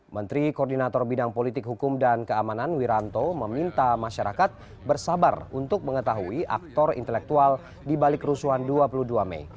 menteri koordinator bidang politik hukum dan keamanan wiranto meminta masyarakat bersabar untuk mengetahui aktor intelektual di balik kerusuhan dua puluh dua mei